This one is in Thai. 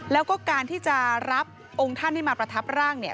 แล้วก็การที่จะรับองค์ท่านให้มาประทับร่างเนี่ย